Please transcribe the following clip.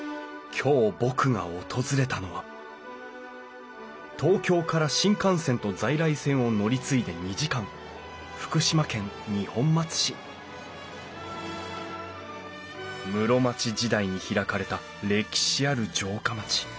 今日僕が訪れたのは東京から新幹線と在来線を乗り継いで２時間福島県二本松市室町時代に開かれた歴史ある城下町。